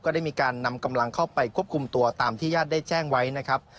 ได้มีการนำกำลังเข้าไปควบคุมตัวตามที่ญาติได้แจ้งไว้นะครับ